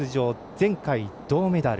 前回、銅メダル。